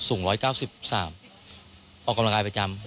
สูง๑๙๓บาทออกกำลังกายประจำ